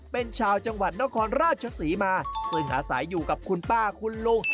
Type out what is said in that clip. เป็นชาวจังหวัดนครราชศรีมาซึ่งอาศัยอยู่กับคุณป้าคุณลุง